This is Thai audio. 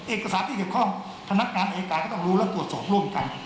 เอกสารที่เกี่ยวข้องพนักงานอายการก็ต้องรู้และตรวจสอบร่วมกัน